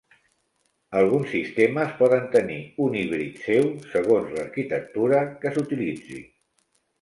Alguns sistemes poden tenir un híbrid seu segons l'arquitectura que s'utilitzi.